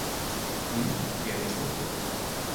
In, je resno?